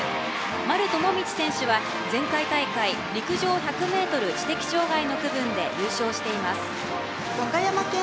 丸幸慶選手は前回大会陸上１００ｍ知的障害の区分で優勝しています。